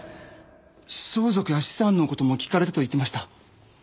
相続や資産の事も聞かれたと言っていました。